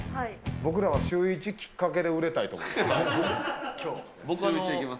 僕らはシューイチきっかけで売れたいと思います。